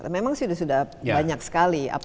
memang sudah banyak sekali